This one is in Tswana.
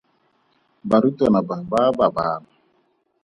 Barutwana ba ba a ba bala.